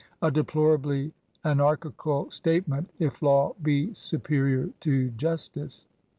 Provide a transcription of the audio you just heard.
A deplorably anar chical statement if law be superior to justice.